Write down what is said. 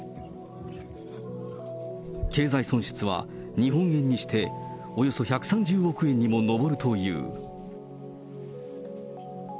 経済損失は日本円にしておよそ１３０億円にも上るという。